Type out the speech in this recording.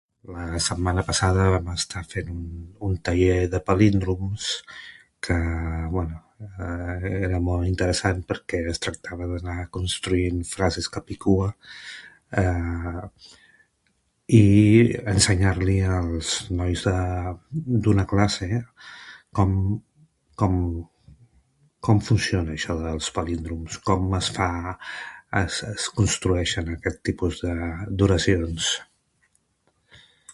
La setmana passada vam estar fent un taller de palíndroms que, bé, era molt interessant perquè es tractava d'aar construint frases capicua i ensenyar-li als nois d'una classe com funciona, això dels palíndroms, com es construeixen aquests tipus d'oracions